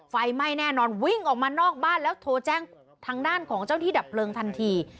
ไฟไหม้แน่นอนวิ่งออกมานอกบ้านแล้วโทรแจ้งทางด้านของเจ้าที่ดับเพลิงทันที